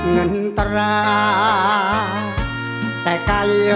จงลืมฉันเสียเถิดใกล้จ้า